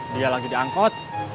dia lagi di angkot